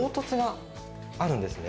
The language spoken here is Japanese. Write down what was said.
あるんですね。